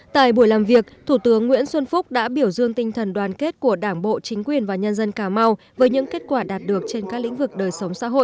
tại buổi làm việc thủ tướng nguyễn xuân phúc đã biểu dương tinh thần đoàn kết của đảng bộ chính quyền và nhân dân cà mau với những kết quả đạt được trên các lĩnh vực đời sống xã hội